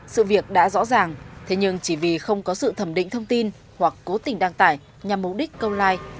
sự việc đã rõ ràng thế nhưng chỉ vì không có sự thẩm định thông tin hoặc cố tình đăng tải nhằm mục đích câu like